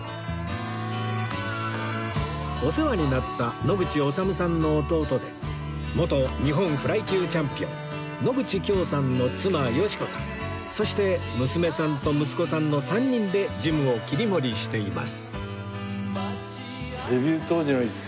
お世話になった野口修さんの弟で元日本フライ級チャンピオン野口恭さんの妻美子さんそして娘さんと息子さんの３人でジムを切り盛りしています